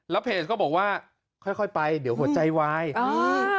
แล้วเพจก็บอกว่าค่อยไปเดี๋ยวหัวใจไหวน์